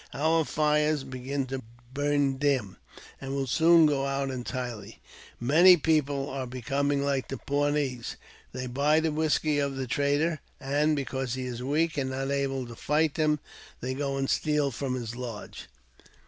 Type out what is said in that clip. Our fires begin to burn dim, and will soon go out entirely. My people are becoming like the Pawnees : they buy the whisky of the trader, and, because he is weak and not able to M fight them, they go and steal from his lodge.